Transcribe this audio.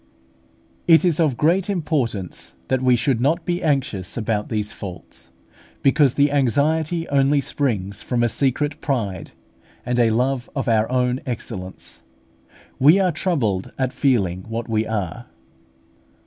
It is of great importance that we should not be anxious about these faults, because the anxiety only springs from a secret pride and a love of our own excellence. We are troubled at feeling what we are.